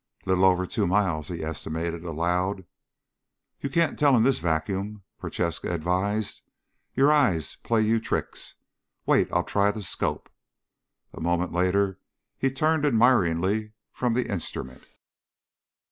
"Little over two miles," he estimated aloud. "You can't tell in this vacuum," Prochaska advised. "Your eyes play you tricks. Wait'll I try the scope." A moment later he turned admiringly from the instrument.